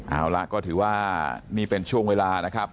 เอาละก็ถือว่านี่เป็นช่วงเวลานะครับ